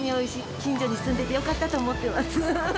近所に住んでてよかったなと思ってます。